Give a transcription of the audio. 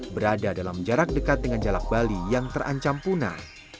berada dalam jarak dekat dengan jalak bali yang terancam punah